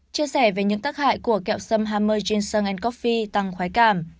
chia sẻ về những tác hại của kẹo xâm hammer ginseng coffee tăng khoái cảm